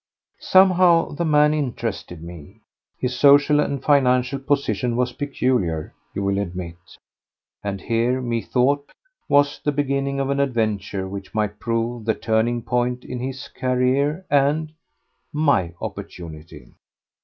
Somehow the man interested me. His social and financial position was peculiar, you will admit, and here, methought, was the beginning of an adventure which might prove the turning point in his career and ... my opportunity.